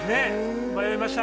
迷いました。